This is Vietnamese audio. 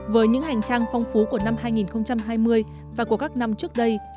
với những hành trang phong phú của năm hai nghìn hai mươi và của các năm trước đây